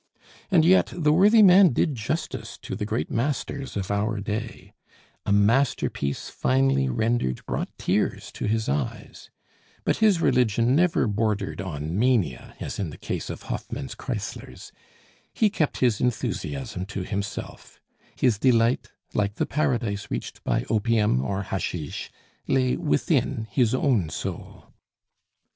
And yet, the worthy man did justice to the great masters of our day; a masterpiece finely rendered brought tears to his eyes; but his religion never bordered on mania, as in the case of Hoffmann's Kreislers; he kept his enthusiasm to himself; his delight, like the paradise reached by opium or hashish, lay within his own soul.